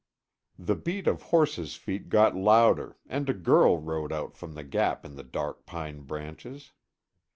The beat of horse's feet got louder and a girl rode out from the gap in the dark pine branches.